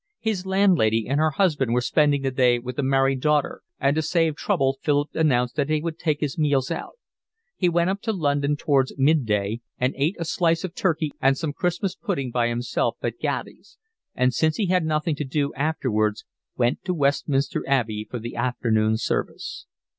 His landlady and her husband were spending the day with a married daughter, and to save trouble Philip announced that he would take his meals out. He went up to London towards mid day and ate a slice of turkey and some Christmas pudding by himself at Gatti's, and since he had nothing to do afterwards went to Westminster Abbey for the afternoon service.